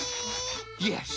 よし！